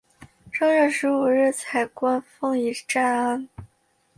正月十五日彩棺奉移暂安。